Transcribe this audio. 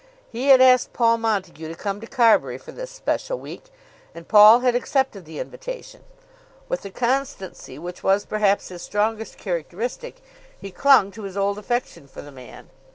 He had asked Paul Montague to come to Carbury for this special week, and Paul had accepted the invitation. With the constancy, which was perhaps his strongest characteristic, he clung to his old affection for the man.